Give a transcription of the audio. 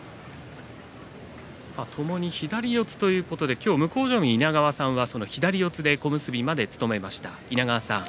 ともに左四つということで向正面の稲川さんは左四つで小結まで務めました稲川さん